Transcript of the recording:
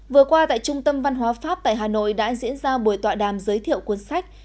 vừa qua tại trung tâm văn hóa pháp tại hà nội đã diễn ra buổi tọa đàm giới thiệu cuốn sách